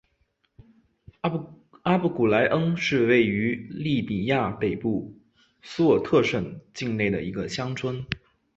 阿布古来恩是位于利比亚北部苏尔特省境内的一个乡村。